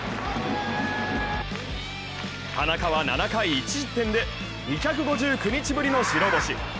田中は７回１失点で２５９日ぶりの白星。